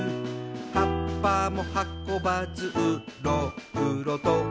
「葉っぱも運ばずうろうろと」